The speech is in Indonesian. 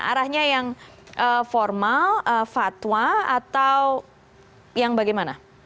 arahnya yang formal fatwa atau yang bagaimana